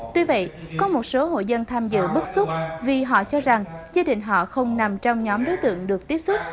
tuy vậy có một số hộ dân tham dự bất xúc vì họ cho rằng chế định họ không nằm trong nhóm đối tượng được tiếp xúc